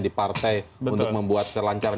di partai untuk membuat kelancaran